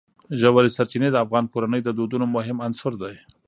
ژورې سرچینې د افغان کورنیو د دودونو مهم عنصر دی.